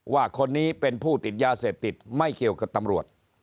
ว่าคนนี้เป็นผู้ติดยาเสพติดไม่เกี่ยวกับตำรวจ